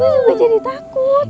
ya gue juga jadi takut